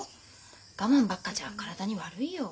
我慢ばっかじゃ体に悪いよ。